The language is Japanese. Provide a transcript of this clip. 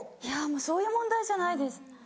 いやそういう問題じゃないです。